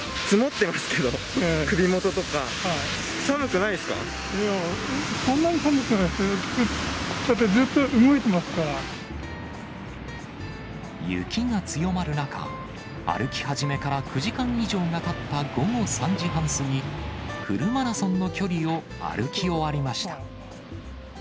そんなに寒くない、雪が強まる中、歩き始めから９時間以上たった午後３時半過ぎ、フルマラソンの距離を歩き終わりました。